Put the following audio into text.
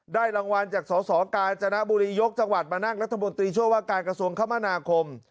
รางวัลจากสสกาญจนบุรียกจังหวัดมานั่งรัฐมนตรีช่วยว่าการกระทรวงคมนาคม